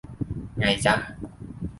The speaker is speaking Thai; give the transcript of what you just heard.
ไงจ้ะ